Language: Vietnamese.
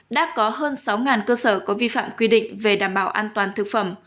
đã có hơn sáu cơ sở có vi phạm quy định về đảm bảo an toàn thực phẩm